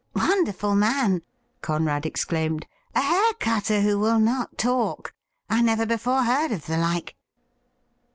' Wonderful man !' Conrad exclaimed. ' A hair cutter who will not talk ! I never before heard of the like.'